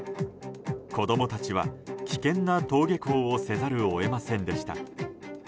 子供たちは危険な登下校をせざるを得ませんでした。